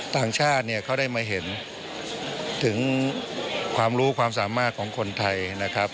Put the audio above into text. ต่างชาติเนี่ยเขาได้มาเห็นถึงความรู้ความสามารถของคนไทยนะครับ